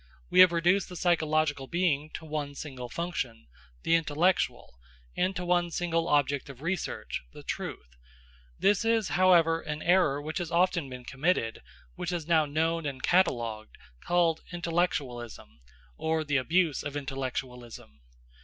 We have reduced the psychological being to one single function, the intellectual, and to one single object of research, the truth. This is, however, an error which has often been committed, which is now known and catalogued, called intellectualism, or the abuse of intellectualism.